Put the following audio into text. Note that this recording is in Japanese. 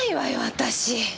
私。